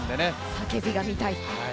叫びが見たい。